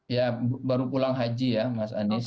ya baru pulang haji ya mas anies